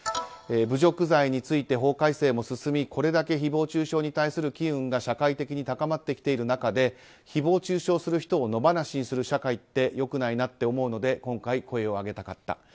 侮辱罪について法改正も進みこれだけ誹謗中傷に対する機運が社会的に高まっている中で誹謗中傷する人を野放しにする社会って良くないなって思うので今回、声を上げたかった。